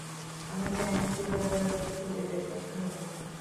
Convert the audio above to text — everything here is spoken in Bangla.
আমি জানি কিভাবে ওদের খুঁজে বের করতে হবে।